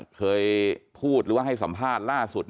เคยพูดหรือว่าให้สัมภาษณ์ล่าสุด